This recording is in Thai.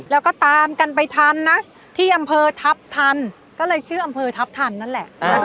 แล้วก็ตามกันไปทันนะที่อำเภอทัพทันก็เลยชื่ออำเภอทัพทันนั่นแหละ